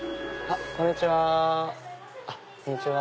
こんにちは。